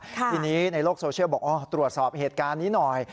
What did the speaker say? ทีนี้ในโลกโซเชียลบอกตรวจสอบเหตุการณ์นี้หน่อย